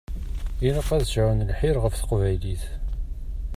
Ilaq ad sɛun lḥir ɣef teqbaylit.